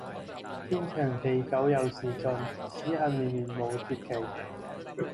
天長地久有時盡，此恨綿綿無絕期！